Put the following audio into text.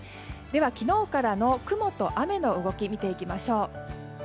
昨日からの雲と雨の動き見ていきましょう。